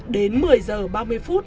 đến một mươi giờ ba mươi phút